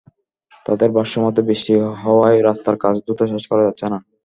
তাঁদের ভাষ্যমতে, বৃষ্টি হওয়ায় রাস্তার কাজ দ্রুত শেষ করা যাচ্ছে না।